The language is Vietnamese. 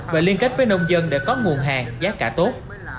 và liên kết với nông dân để có nguồn hàng giá cả tốt